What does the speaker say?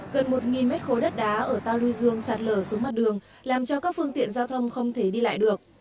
gần một m khối đất đá ở tàu lưu dương sạt lở xuống mặt đường làm cho các phương tiện giao thông không thể đi lại được